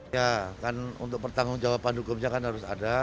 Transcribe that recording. ya kan untuk pertanggung jawaban hukumnya kan harus ada